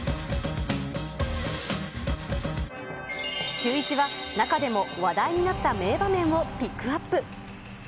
シューイチは中でも話題になった名場面をピックアップ。